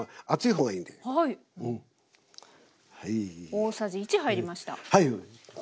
大さじ１入りました。